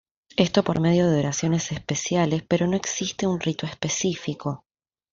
Esto por medio de oraciones especiales pero no existe un rito específico.